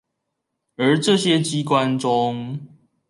而這些機關中